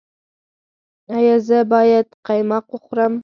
ایا زه باید قیماق وخورم؟